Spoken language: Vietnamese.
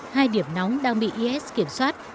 hai điểm nóng đang bị is kiểm soát